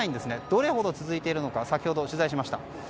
どれほど続いているのか先ほど取材しました。